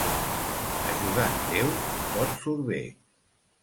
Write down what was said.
Ajudant Déu, tot surt bé.